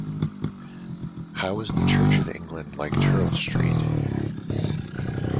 How is the Church of England like Turl Street?